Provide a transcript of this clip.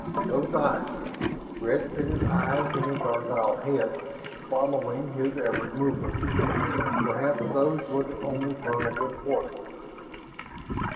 Those eyes red pitted eyes in a gargoyle head following his every movement perhaps those were the only vulnerable points.